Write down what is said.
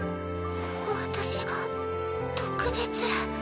私が特別？